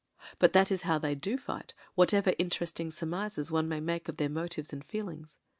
But that is how they do fight, whatever interesting surmises one may make of their motives and feelings.